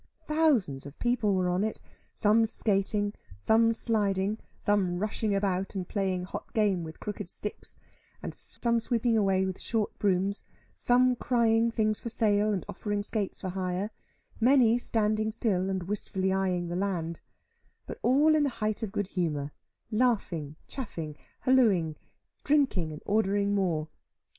Thousands of people were on it, some skating, some sliding, some rushing about and playing hot game with crooked sticks, some sweeping away with short brooms, some crying things for sale and offering skates for hire, many standing still and wistfully eyeing the land; but all in the height of good humour, laughing, chaffing, holloaing, drinking, and ordering more.